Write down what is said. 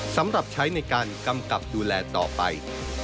สำหรับใช้ในการกำกับดูแลต่อไป